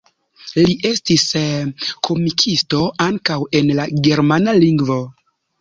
Li estis komikisto ankaŭ en la germana lingvo.